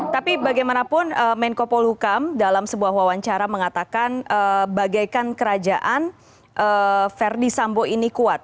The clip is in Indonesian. tapi bagaimanapun menko polhukam dalam sebuah wawancara mengatakan bagaikan kerajaan verdi sambo ini kuat